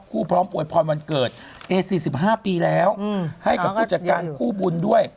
พร้อมอวยพรวันเกิดเอ๔๕ปีแล้วให้กับผู้จัดการคู่บุญด้วย